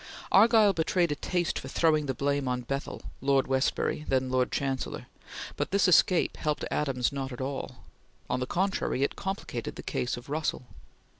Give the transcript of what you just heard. Argyll betrayed a taste for throwing the blame on Bethell, Lord Westbury, then Lord Chancellor, but this escape helped Adams not at all. On the contrary, it complicated the case of Russell.